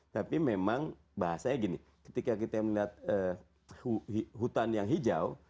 tapi memang bahasanya gini ketika kita melihat hutan yang hijau